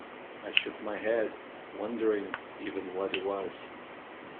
I shook my head, wondering even what it was.